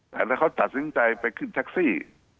แต่ถ้าเขาตัดสินใจไปขึ้นแท็กซี่